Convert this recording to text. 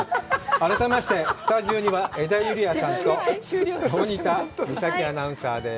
改めまして、スタジオには江田友莉亜ちゃんと大仁田美咲アナウンサーです。